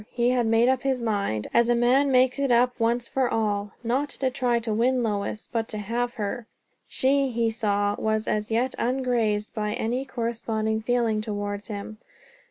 He had made up his mind, as a man makes it up once for all; not to try to win Lois, but to have her. She, he saw, was as yet ungrazed by any corresponding feeling towards him.